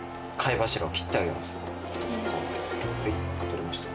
はい取れました。